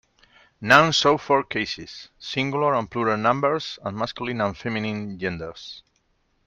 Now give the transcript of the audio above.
Nouns show four cases, singular and plural numbers, and masculine and feminine genders.